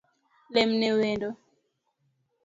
Lemne wendo